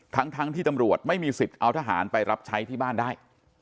ทั้งที่ตำรวจไม่มีสิทธิ์เอาทหารไปรับใช้ที่บ้านได้